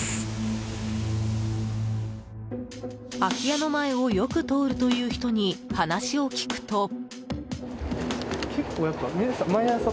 空き家の前をよく通るという人に話を聞くと。